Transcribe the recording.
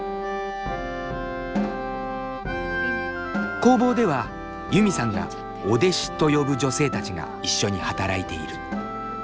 工房ではユミさんが「お弟子」と呼ぶ女性たちが一緒に働いている。